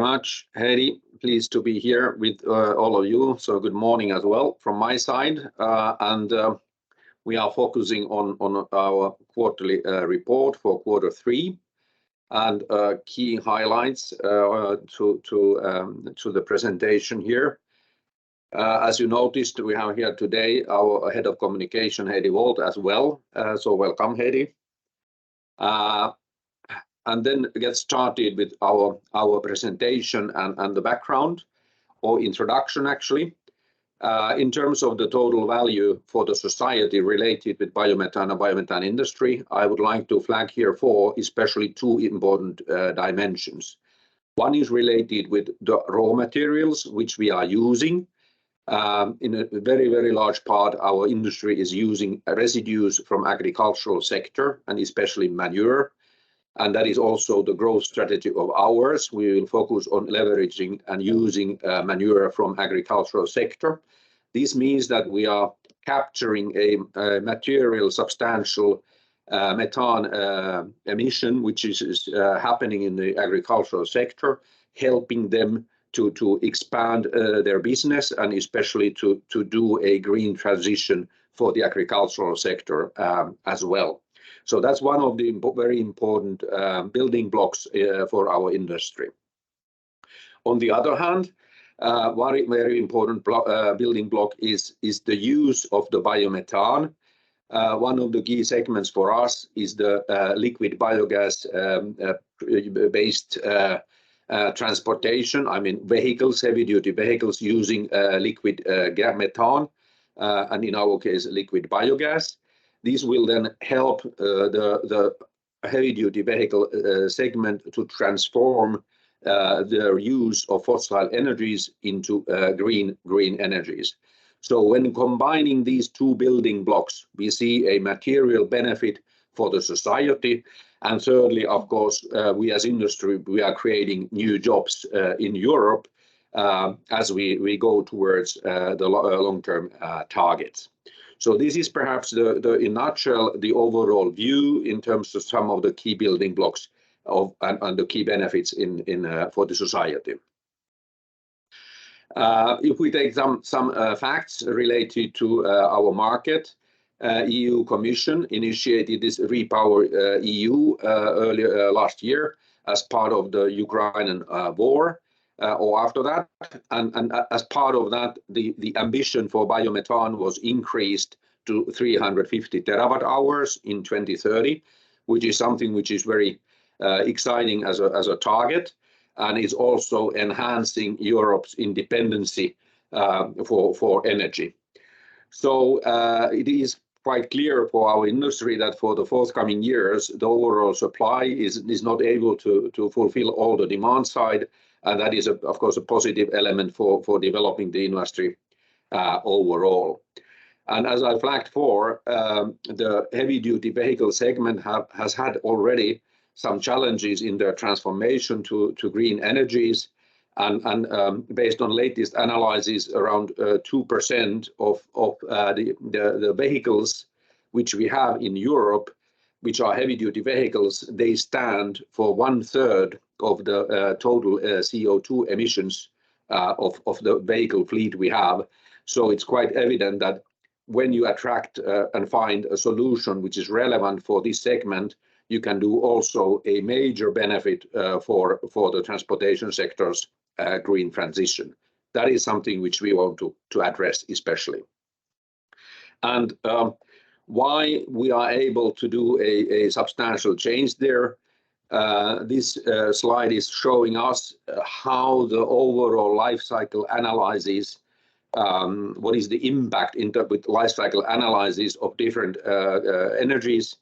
much, Heidi. Pleased to be here with all of you. Good morning as well from my side. We are focusing on our quarterly report for quarter three, and key highlights to the presentation here. As you noticed, we have here today our Head of Communication, Heidi Wold, as well. Welcome, Heidi. Then get started with our presentation and the background or introduction, actually. In terms of the total value for the society related with biomethane and biomethane industry, I would like to flag here four, especially two important dimensions. One is related with the raw materials, which we are using. In a very, very large part, our industry is using residues from agricultural sector and especially manure, and that is also the growth strategy of ours. We will focus on leveraging and using manure from agricultural sector. This means that we are capturing a material substantial methane emission, which is happening in the agricultural sector, helping them to expand their business and especially to do a green transition for the agricultural sector, as well. So that's one of the very important building blocks for our industry. On the other hand, very, very important building block is the use of the biomethane. One of the key segments for us is the liquid biogas based transportation. I mean, vehicles, heavy-duty vehicles using liquid gas methane, and in our case, liquid biogas. This will then help the heavy-duty vehicle segment to transform their use of fossil energies into green energies. So when combining these two building blocks, we see a material benefit for the society, and thirdly, of course, we as industry, we are creating new jobs in Europe, as we go towards the long-term targets. So this is perhaps the in nutshell, the overall view in terms of some of the key building blocks of and the key benefits in for the society. If we take some facts related to our market, EU Commission initiated this REPowerEU earlier last year as part of the Ukraine war or after that. And as part of that, the ambition for biomethane was increased to 350 TWh in 2030, which is something which is very exciting as a target and is also enhancing Europe's independence for energy. So, it is quite clear for our industry that for the forthcoming years, the overall supply is not able to fulfill all the demand side, and that is, of course, a positive element for developing the industry overall. And as I flagged for the heavy-duty vehicle segment has had already some challenges in their transformation to green energies. Based on latest analyses, around 2% of the vehicles which we have in Europe, which are heavy-duty vehicles, they stand for one third of the total CO2 emissions of the vehicle fleet we have. So it's quite evident that when you attract and find a solution which is relevant for this segment, you can do also a major benefit for the transportation sector's green transition. That is something which we want to address, especially. And why we are able to do a substantial change there, this slide is showing us how the overall life cycle analyses what is the impact in terms with life cycle analyses of different energies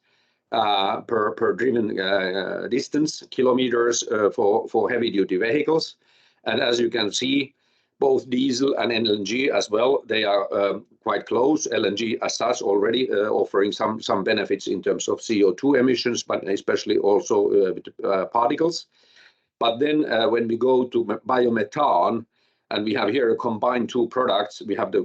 per driven distance, kilometers, for heavy-duty vehicles. As you can see, both diesel and LNG as well, they are quite close. LNG as such already offering some benefits in terms of CO2 emissions, but especially also with particles. But then, when we go to biomethane, and we have here a combined two products, we have the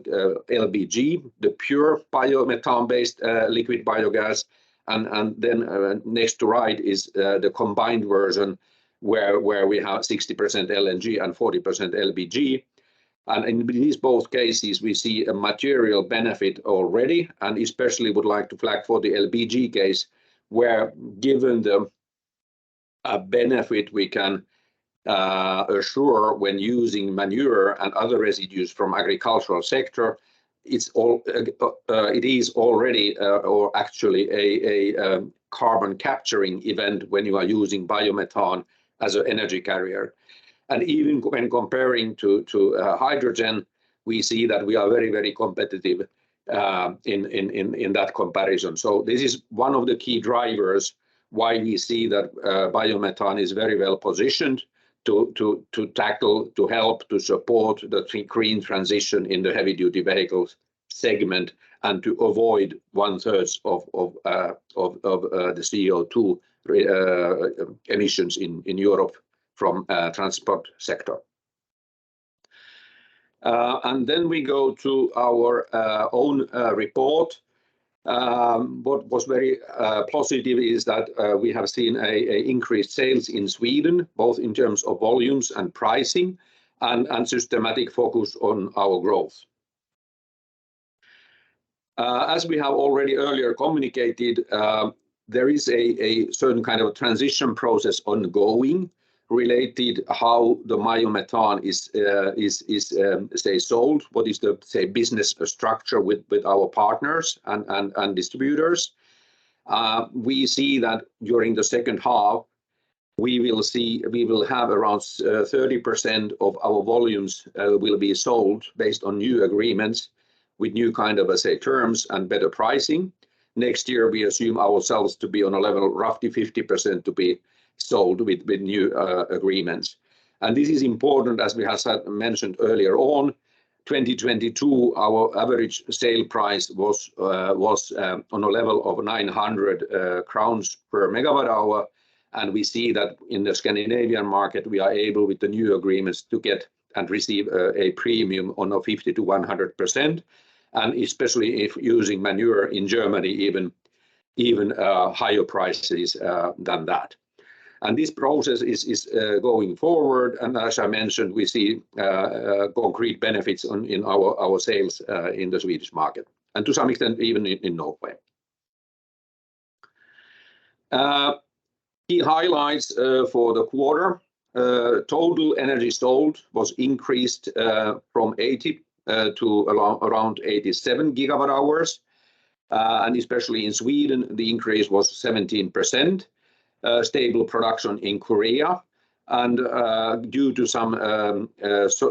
LBG, the pure biomethane-based liquid biogas, and then next to right is the combined version, where we have 60% LNG and 40% LBG. In these both cases, we see a material benefit already, and especially would like to flag for the LBG case, where given the benefit we can assure when using manure and other residues from agricultural sector, it is already, or actually a carbon capturing event when you are using biomethane as an energy carrier. And even when comparing to hydrogen, we see that we are very, very competitive in that comparison. So this is one of the key drivers why we see that biomethane is very well positioned to tackle, to help, to support the green transition in the heavy-duty vehicles segment and to avoid one third of the CO2 emissions in Europe from transport sector. Then we go to our own report. What was very positive is that we have seen an increased sales in Sweden, both in terms of volumes and pricing, and systematic focus on our growth. As we have already earlier communicated, there is a certain kind of transition process ongoing related how the biomethane is, say, sold. What is the, say, business structure with our partners and distributors? We see that during the second half, we will have around 30% of our volumes will be sold based on new agreements with new kind of, let's say, terms and better pricing. Next year, we assume ourselves to be on a level of roughly 50% to be sold with new agreements. This is important, as we have said, mentioned earlier on. 2022, our average sale price was on a level of 900 crowns per MWh, and we see that in the Scandinavian market, we are able, with the new agreements, to get and receive a premium on a 50%-100%, and especially if using manure in Germany, even higher prices than that. This process is going forward, and as I mentioned, we see concrete benefits in our sales in the Swedish market, and to some extent, even in Norway. Key highlights for the quarter. Total energy sold increased from 80 GWh to around 87 GWh. And especially in Sweden, the increase was 17%. Stable production in Korea. Due to some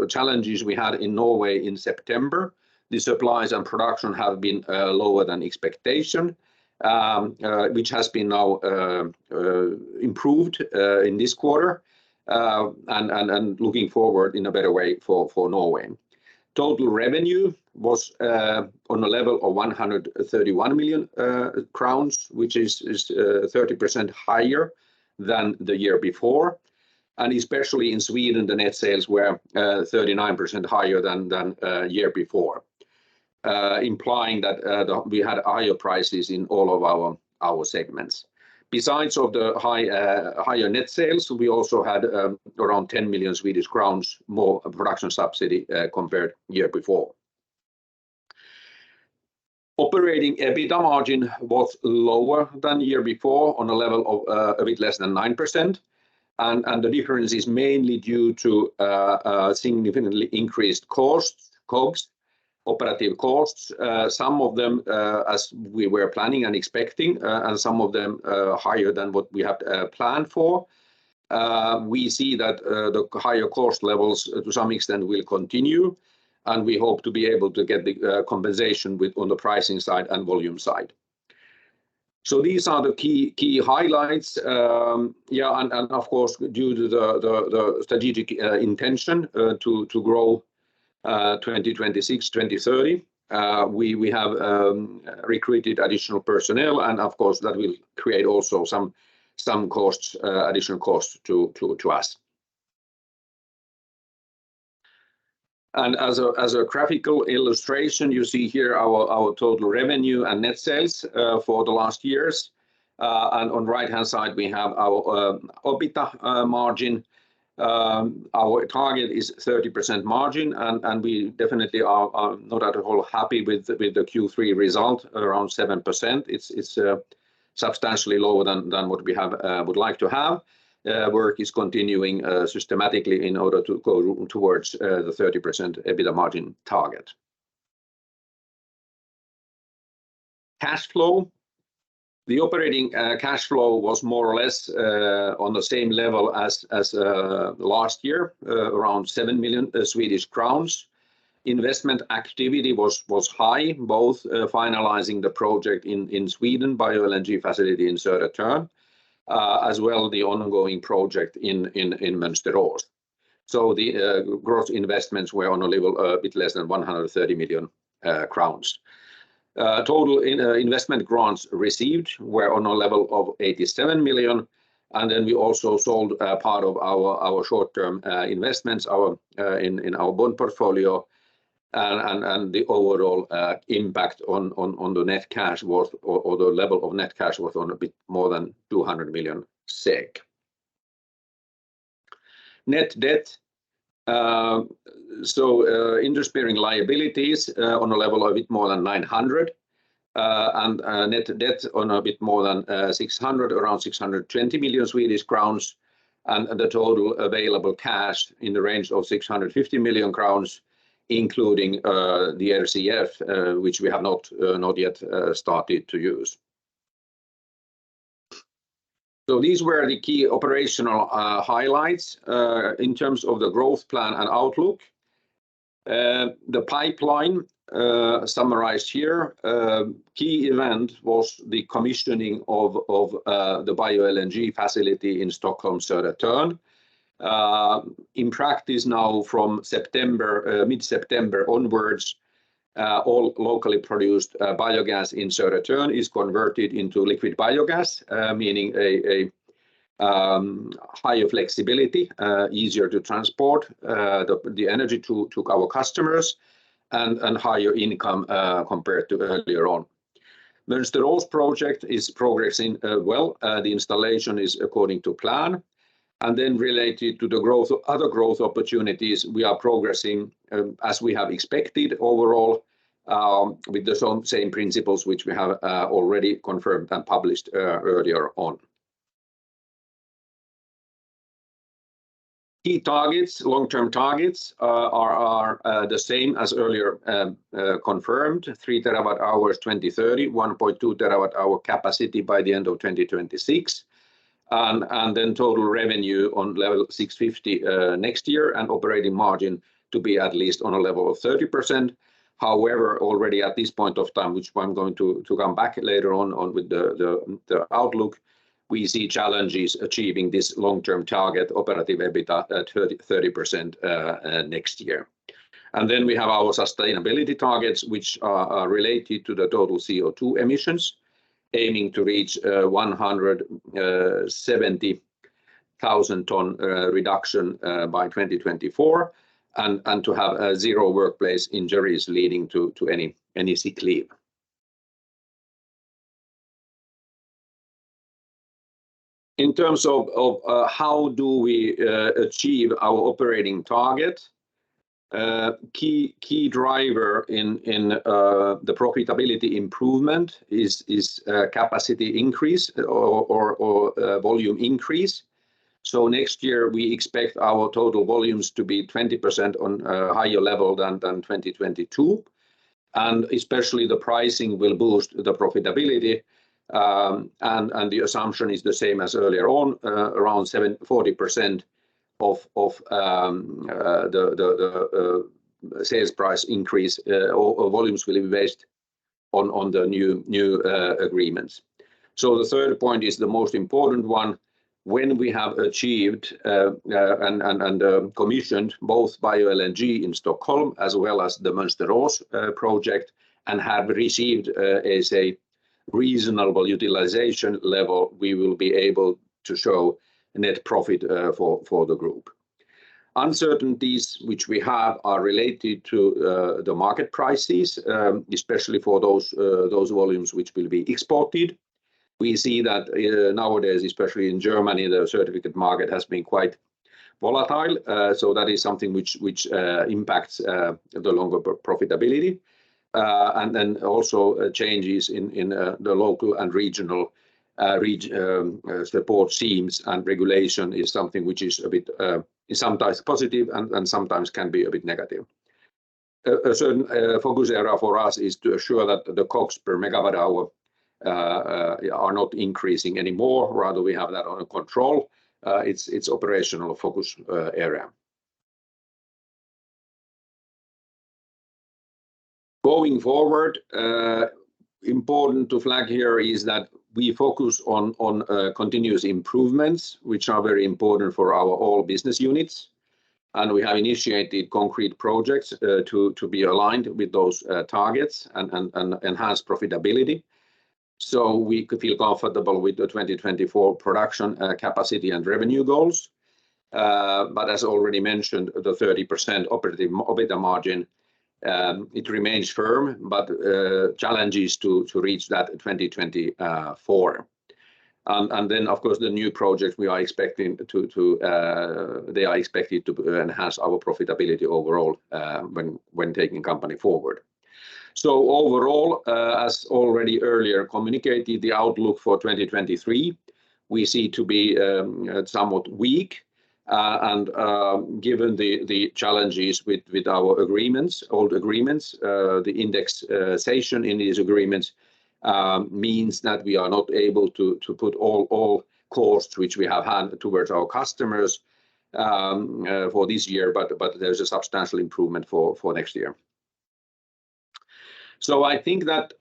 challenges we had in Norway in September, the supplies and production have been lower than expectation, which has now been improved in this quarter, and looking forward in a better way for Norway. Total revenue was on a level of 131 million crowns, which is 30% higher than the year before. Especially in Sweden, the net sales were 39% higher than year before, implying that we had higher prices in all of our segments. Besides the higher net sales, we also had around 10 million Swedish crowns more production subsidy compared year before. Operating EBITDA margin was lower than the year before on a level of a bit less than 9%, and the difference is mainly due to significantly increased costs, COGS, operative costs, some of them as we were planning and expecting, and some of them higher than what we had planned for. We see that the higher cost levels, to some extent, will continue, and we hope to be able to get the compensation with on the pricing side and volume side. So these are the key highlights. Yeah, and of course, due to the strategic intention to grow 2026, 2030, we have recruited additional personnel, and of course, that will create also some costs, additional costs to us. And as a graphical illustration, you see here our total revenue and net sales for the last years. On the right-hand side, we have our EBITDA margin. Our target is 30% margin, and we definitely are not at all happy with the Q3 result, around 7%. It's substantially lower than what we would like to have. Work is continuing systematically in order to go towards the 30% EBITDA margin target. Cash flow. The operating cash flow was more or less on the same level as last year, around 7 million Swedish crowns. Investment activity was high, both finalizing the project in Sweden, bioenergy facility in Södertörn, as well the ongoing project in Mönsterås. So the growth investments were on a level a bit less than 130 million crowns. Total investment grants received were on a level of 87 million, and then we also sold a part of our short-term investments in our bond portfolio, and the overall impact on the net cash was, or the level of net cash was on a bit more than 200 million SEK. Net debt. So, interest-bearing liabilities on a level of a bit more than 900 million, and net debt on a bit more than 600 million, around 620 million Swedish crowns, and the total available cash in the range of 650 million crowns, including the RCF, which we have not yet started to use. So these were the key operational highlights. In terms of the growth plan and outlook, the pipeline summarized here, key event was the commissioning of the bio-LNG facility in Stockholm, Södertörn. In practice now, from September, mid-September onwards, all locally produced biogas in Södertörn is converted into liquid biogas, meaning a higher flexibility, easier to transport the energy to our customers, and higher income compared to earlier on. Mönsterås project is progressing well. The installation is according to plan. Then related to the growth, other growth opportunities, we are progressing as we have expected overall, with the same principles which we have already confirmed and published earlier on. Key targets, long-term targets, are the same as earlier confirmed: 3 TWh in 2030, 1.2 TWh capacity by the end of 2026. Then total revenue on level 650 next year, and operating margin to be at least on a level of 30%. However, already at this point of time, which I'm going to come back later on with the outlook, we see challenges achieving this long-term target, operating EBITDA at 30% next year. Then we have our sustainability targets, which are related to the total CO2 emissions, aiming to reach 170,000 ton reduction by 2024, and to have zero workplace injuries leading to any sick leave. In terms of how we achieve our operating target, a key driver in the profitability improvement is capacity increase or volume increase. So next year, we expect our total volumes to be 20% on a higher level than 2022, and especially the pricing will boost the profitability. And the assumption is the same as earlier on, around 40% of the sales price increase or volumes will be based on the new agreements. So the third point is the most important one. When we have achieved and commissioned both bio-LNG in Stockholm as well as the Mönsterås project, and have received as a reasonable utilization level, we will be able to show net profit for the group. Uncertainties which we have are related to the market prices, especially for those volumes which will be exported. We see that, nowadays, especially in Germany, the certificate market has been quite volatile. So that is something which impacts the longer profitability. And then also changes in the local and regional support schemes and regulation is something which is a bit, sometimes positive and sometimes can be a bit negative. A certain focus area for us is to ensure that the COGS per megawatt hour are not increasing anymore, rather we have that under control. It's operational focus area. Going forward, important to flag here is that we focus on continuous improvements, which are very important for our all business units. And we have initiated concrete projects to be aligned with those targets and enhance profitability, so we could feel comfortable with the 2024 production capacity and revenue goals. But as already mentioned, the 30% operating EBITDA margin remains firm, but the challenge is to reach that in 2024. And then, of course, the new project we are expecting to. They are expected to enhance our profitability overall, when taking company forward. So overall, as already earlier communicated, the outlook for 2023 we see to be somewhat weak. And given the challenges with our agreements, old agreements, the indexation in these agreements means that we are not able to put all costs which we have had towards our customers for this year, but there's a substantial improvement for next year. So I think that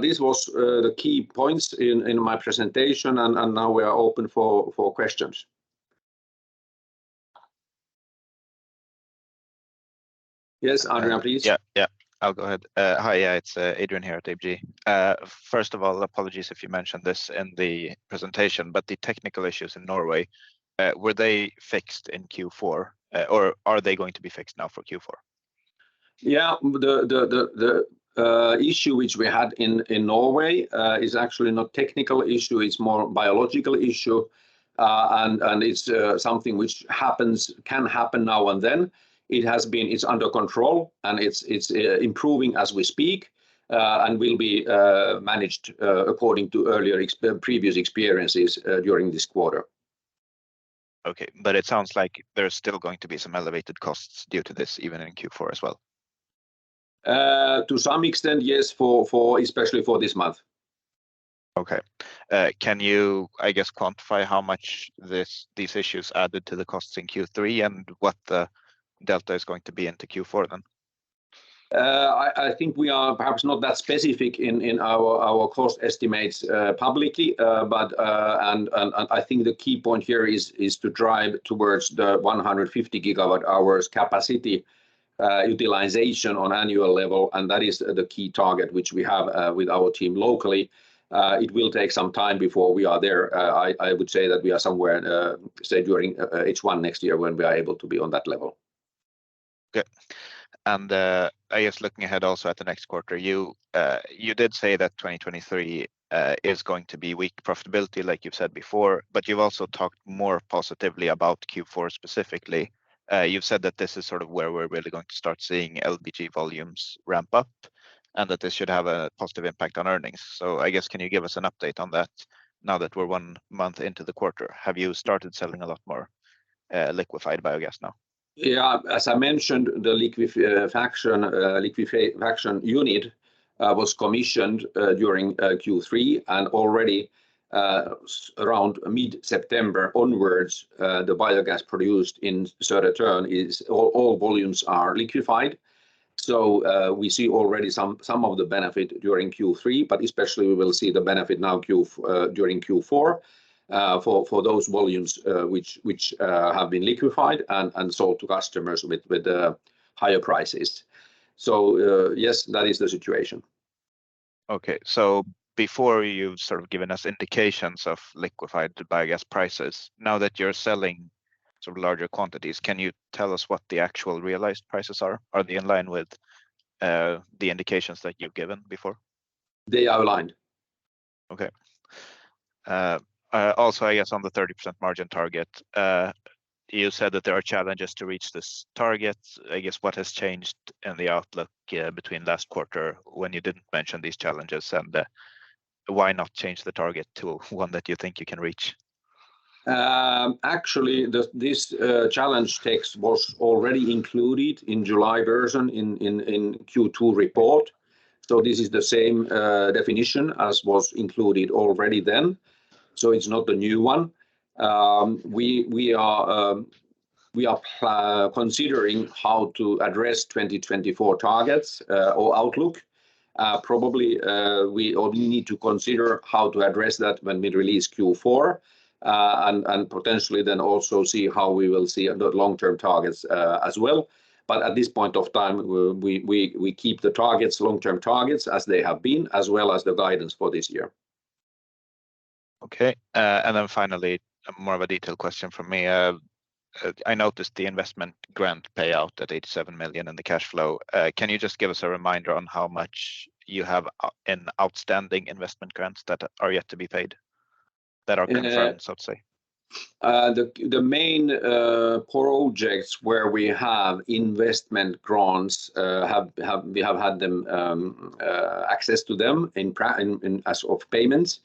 this was the key points in my presentation, and now we are open for questions. Yes, Adrian, please. Yeah, yeah. I'll go ahead. Hi, yeah, it's Adrian here at ABG. First of all, apologies if you mentioned this in the presentation, but the technical issues in Norway, were they fixed in Q4, or are they going to be fixed now for Q4? Yeah, the issue which we had in Norway is actually not technical issue, it's more biological issue. And it's something which happens, can happen now and then. It has been, it's under control, and it's improving as we speak, and will be managed according to previous experiences during this quarter. Okay, but it sounds like there's still going to be some elevated costs due to this, even in Q4 as well. To some extent, yes, for, for especially for this month. Okay. Can you, I guess, quantify how much this, these issues added to the costs in Q3, and what the delta is going to be into Q4 then? I think we are perhaps not that specific in our cost estimates publicly. But I think the key point here is to drive towards the 150 GWh capacity utilization on annual level, and that is the key target which we have with our team locally. It will take some time before we are there. I would say that we are somewhere, say, during H1 next year when we are able to be on that level. Good. And, I guess looking ahead also at the next quarter, you did say that 2023 is going to be weak profitability, like you've said before, but you've also talked more positively about Q4 specifically. You've said that this is sort of where we're really going to start seeing LBG volumes ramp up, and that this should have a positive impact on earnings. So I guess, can you give us an update on that now that we're one month into the quarter? Have you started selling a lot more, liquefied biogas now? Yeah, as I mentioned, the liquefaction unit was commissioned during Q3, and already around mid-September onwards, the biogas produced in Södertörn is all, all volumes are liquefied. So, we see already some, some of the benefit during Q3, but especially we will see the benefit now during Q4, for those volumes, which, which have been liquefied and sold to customers with higher prices. So, yes, that is the situation. Okay. So before, you've sort of given us indications of liquefied biogas prices. Now that you're selling sort of larger quantities, can you tell us what the actual realized prices are? Are they in line with the indications that you've given before? They are aligned. Okay. Also, I guess on the 30% margin target, you said that there are challenges to reach this target. I guess, what has changed in the outlook, between last quarter when you didn't mention these challenges, and, why not change the target to one that you think you can reach? Actually, this challenge text was already included in July version in Q2 report. So this is the same definition as was included already then, so it's not a new one. We are considering how to address 2024 targets, or outlook. Probably, we only need to consider how to address that when we release Q4. And potentially then also see how we will see the long-term targets, as well. But at this point of time, we keep the targets, long-term targets, as they have been, as well as the guidance for this year. Okay. Then finally, more of a detailed question from me. I noticed the investment grant payout at 87 million in the cash flow. Can you just give us a reminder on how much you have in outstanding investment grants that are yet to be paid, that are confirmed, so to say? The main projects where we have investment grants have had access to them in, as of payments.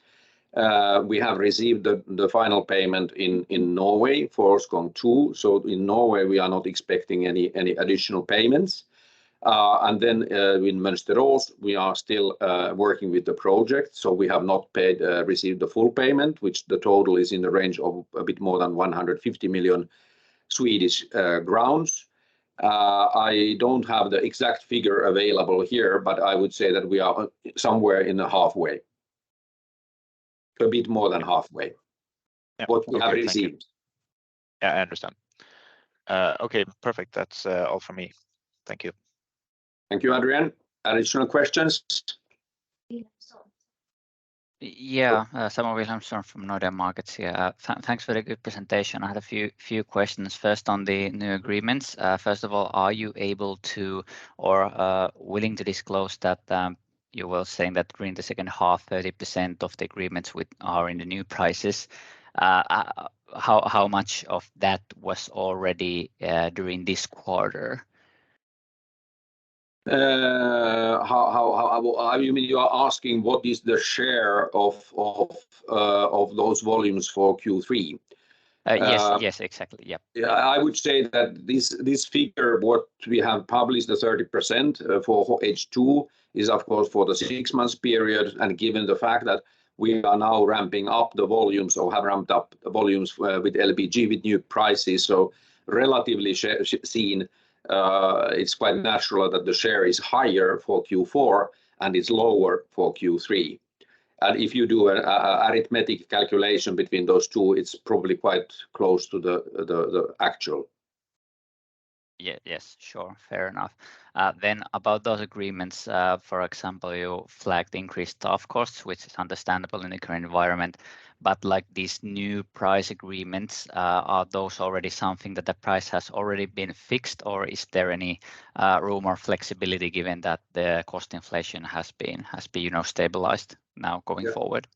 We have received the final payment in Norway for Skogn II. So in Norway, we are not expecting any additional payments. And then, in Mönsterås, we are still working with the project, so we have not received the full payment, which the total is in the range of a bit more than 150 million. I don't have the exact figure available here, but I would say that we are somewhere in the halfway. A bit more than halfway what we have received. Yeah, I understand. Okay, perfect. That's all from me. Thank you. Thank you, Adrian. Additional questions? Yeah, Samu Wilhelmsson from Nordea Markets here. Thanks for the good presentation. I had a few questions, first on the new agreements. First of all, are you able to or willing to disclose that you were saying that during the second half, 30% of the agreements with, are in the new prices. How much of that was already during this quarter? You mean you are asking what is the share of those volumes for Q3? Uh, yes. Uh. Yes, exactly. Yeah. Yeah, I would say that this, this figure, what we have published, the 30%, for H2, is, of course, for the six months period, and given the fact that we are now ramping up the volumes or have ramped up the volumes, with LBG, with new prices. So relatively seen, it's quite natural that the share is higher for Q4 and it's lower for Q3. And if you do a arithmetic calculation between those two, it's probably quite close to the actual. Yeah, yes, sure. Fair enough. Then about those agreements, for example, you flagged increased OpEx costs, which is understandable in the current environment, but like these new price agreements, are those already something that the price has already been fixed, or is there any room or flexibility given that the cost inflation has been, you know, stabilized now going forward?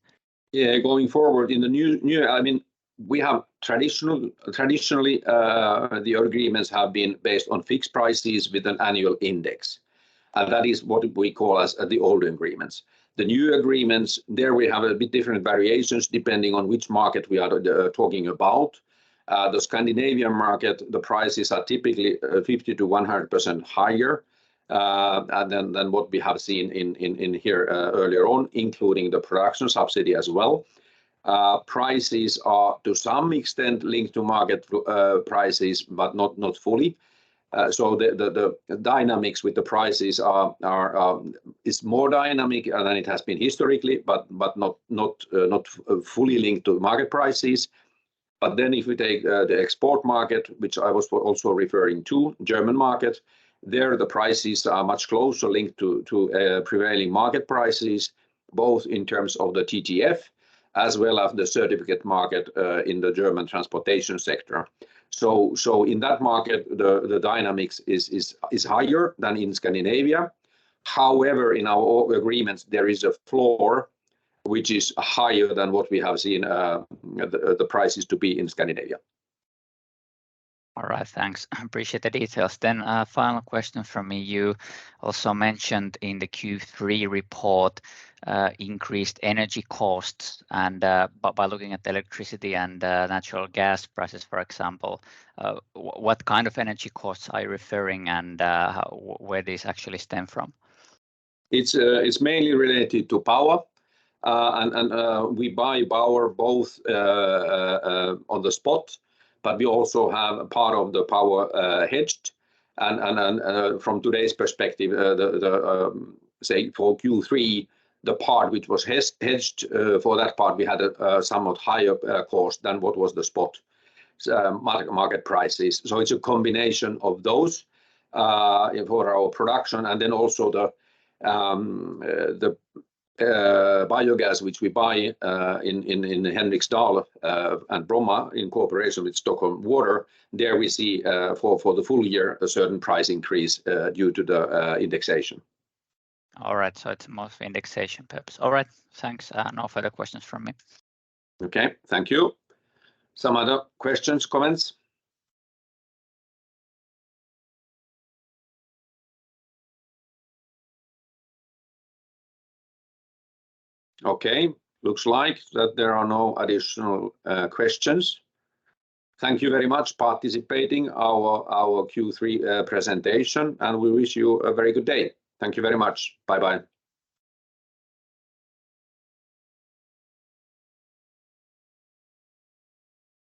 Yeah, going forward in the new. I mean, we have traditionally, the agreements have been based on fixed prices with an annual index, and that is what we call as the old agreements. The new agreements, there we have a bit different variations depending on which market we are talking about. The Scandinavian market, the prices are typically 50%-100% higher than what we have seen in here earlier on, including the production subsidy as well. Prices are, to some extent, linked to market prices, but not fully. So the dynamics with the prices are is more dynamic than it has been historically, but not fully linked to the market prices. But then if we take the export market, which I was also referring to, German market, there, the prices are much closer linked to, to, prevailing market prices, both in terms of the TTF, as well as the certificate market, in the German transportation sector. So, so in that market, the, the dynamics is, is, is higher than in Scandinavia. However, in our all agreements, there is a floor which is higher than what we have seen, the, the prices to be in Scandinavia. All right, thanks. I appreciate the details. Then, final question from me. You also mentioned in the Q3 report, increased energy costs, and, but by looking at the electricity and, natural gas prices, for example, what kind of energy costs are you referring, and, how- where these actually stem from? It's mainly related to power. We buy power both on the spot, but we also have a part of the power hedged. From today's perspective, say for Q3, the part which was hedged, for that part, we had a somewhat higher cost than what was the spot market prices. So it's a combination of those for our production, and then also the biogas, which we buy in Henriksdal and Bromma, in cooperation with Stockholm Water. There we see for the full year, a certain price increase due to the indexation. All right, so it's mostly indexation purpose. All right, thanks. No further questions from me. Okay, thank you. Some other questions, comments? Okay, looks like that there are no additional, questions. Thank you very much participating our, our Q3 presentation, and we wish you a very good day. Thank you very much. Bye-bye.